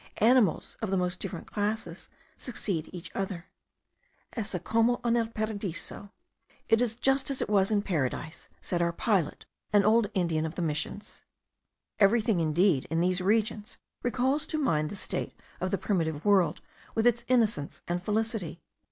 Animals of the most different classes succeed each other. "Esse como en el Paradiso," "It is just as it was in Paradise," said our pilot, an old Indian of the Missions. Everything, indeed, in these regions recalls to mind the state of the primitive world with its innocence and felicity.